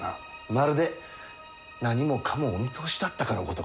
まるで何もかもお見通しだったかのごとくですなあ。